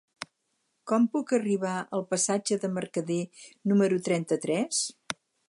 Com puc arribar al passatge de Mercader número trenta-tres?